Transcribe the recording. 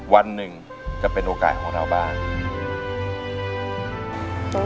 วันหนึ่งจะเป็นโอกาสของเราบ้าง